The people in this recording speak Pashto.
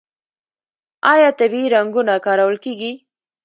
آیا طبیعي رنګونه کارول کیږي؟